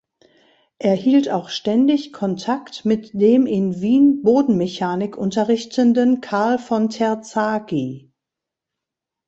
Er hielt auch ständig Kontakt mit dem in Wien Bodenmechanik unterrichtenden Karl von Terzaghi.